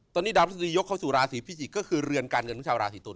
ตอนนี้ดาวพฤษฎียกเข้าสู่ราศีพิจิกษ์ก็คือเรือนการเงินของชาวราศีตุล